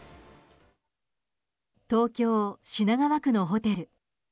東京・品川区のホテル。